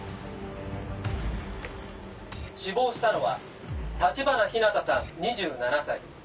死亡したのは橘日向さん２７歳。